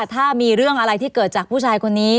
ถ้ามีเรื่องอะไรที่เกิดจากผู้ชายคนนี้